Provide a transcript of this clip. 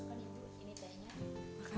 pasti mau marah